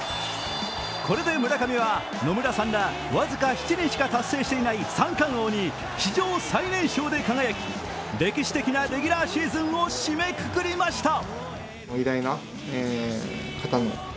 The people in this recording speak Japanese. これで村上は野村さんら僅か７人しか達成していない三冠王に史上最年少で輝き、歴史的なレギュラーシーズンを締めくくりました。